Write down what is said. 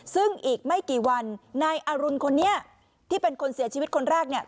ซึ่งอีกไม่กี่วันนายอรุณคนนี้ที่เป็นคนเสียชีวิตคนแรกเนี่ย